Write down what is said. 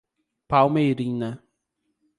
Palmeirina